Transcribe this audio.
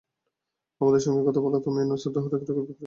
আমাদের সঙ্গে কথা বলা থামিয়ে নুসরাত দুহাতে টিকিট বিক্রি শুরু করলেন।